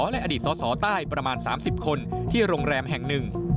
และอดีตสสใต้ประมาณ๓๐คนที่โรงแรมแห่งหนึ่ง